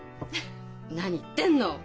何言ってんの！